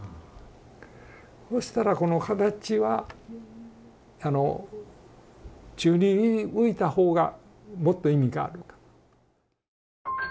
そしたらこの形は宙に浮いた方がもっと意味があるんだ。